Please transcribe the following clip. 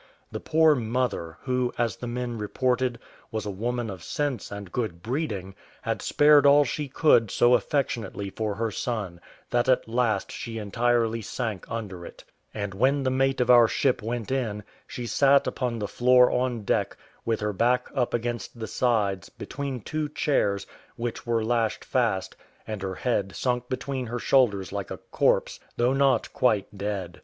The poor mother, who, as the men reported, was a woman of sense and good breeding, had spared all she could so affectionately for her son, that at last she entirely sank under it; and when the mate of our ship went in, she sat upon the floor on deck, with her back up against the sides, between two chairs, which were lashed fast, and her head sunk between her shoulders like a corpse, though not quite dead.